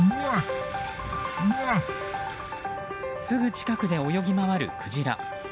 すぐ近くで泳ぎ回るクジラ。